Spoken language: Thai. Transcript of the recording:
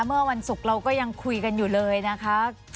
เมื่อวันศุกร์เราก็ยังคุยกันอยู่เลยนะคะ